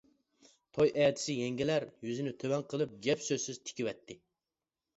توي ئەتىسى يەڭگىلەر يۈزىنى تۆۋەن قىلىپ گەپ-سۆزسىز تىكىۋەتتى.